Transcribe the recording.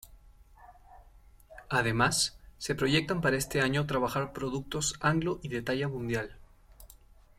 Además se proyectan para este año trabajar productos anglo y de talla mundial.